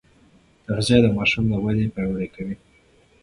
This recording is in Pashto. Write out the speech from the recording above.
تغذيه د ماشوم وده پیاوړې کوي.